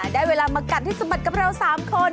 ได้เวลามากัดให้สะบัดกับเรา๓คน